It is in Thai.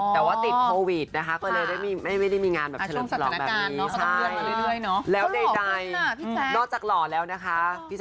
ปรากฏว่าบิวกิ้นบอกว่าชอบ๒๔พี่นะคะเพราะว่าเขาอายุ๒๔ปี